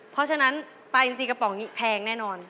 เพราะฉะนั้นปลาอินซีกระป๋องนี้แพงแน่นอน